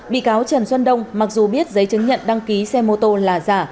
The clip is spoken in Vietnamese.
bị cáo trần xuân đông mặc dù biết giấy chứng nhận đăng ký xe mô tô là giả